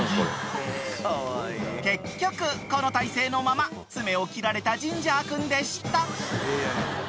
［結局この体勢のまま爪を切られたジンジャー君でした］